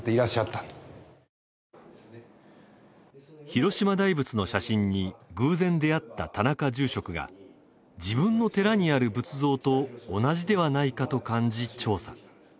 広島大仏の写真に偶然であった田中住職が自分の寺にある仏像と同じではないかと感じ、調査。